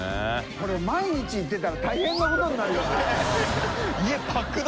これ毎日行ってたら大変なことになるよね。